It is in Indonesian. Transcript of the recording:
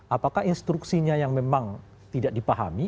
apakah instruksinya yang memang tidak dipahami